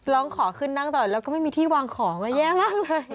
ร้องขอขึ้นนั่งตลอดแล้วก็ไม่มีที่วางของมาแย่มากเลย